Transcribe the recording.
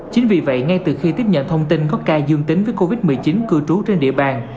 chính vì vậy ngay từ khi tiếp nhận thông tin có ca dương tính với covid một mươi chín cư trú trên địa bàn